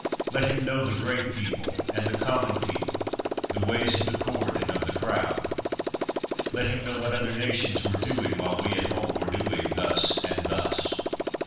Let him know the great people and the common people, the ways of the court and of the crowd. Let him know what other nations were doing while we at home were doing thus and thus.